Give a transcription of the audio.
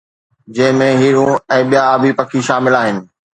جنهن ۾ هيرون ۽ ٻيا آبي پکي شامل آهن